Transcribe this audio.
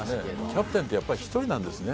キャプテンって１人なんですね。